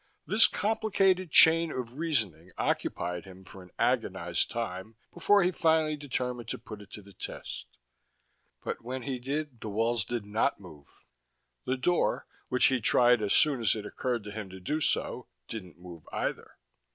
This complicated chain of reasoning occupied him for an agonized time before he finally determined to put it to the test. But, when he did, the walls did not move. The door, which he tried as soon as it occurred to him to do so, didn't move either.